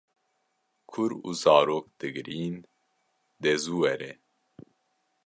Kur û zarok digrîn, de zû were